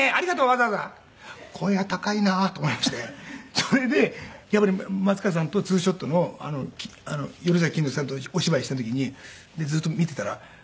それで松方さんと２ショットの萬屋錦之介さんとお芝居した時にずっと見ていたら。